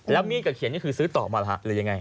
แล้วมี่กับเขียนก็คือซื้อต่อมาหรือยังไง